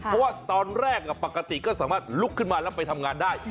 เพราะว่าตอนแรกปกติก็สามารถลุกขึ้นมาแล้วไปทำงานได้